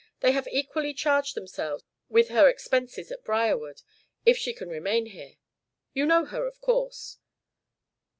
"They have equally charged themselves with her expenses at Briarwood if she can remain here. You know her, of course?"